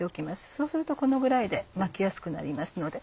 そうするとこのぐらいで巻きやすくなりますので。